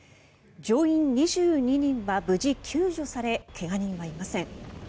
乗員２２人は無事救助され怪我人はいません。